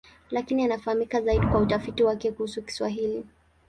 Lakini anafahamika zaidi kwa utafiti wake kuhusu Kiswahili.